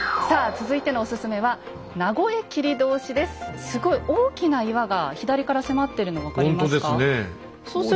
さあ続いてのお薦めはすごい大きな岩が左から迫ってるの分かりますか？